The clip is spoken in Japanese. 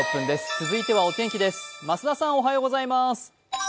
続いてはお天気です。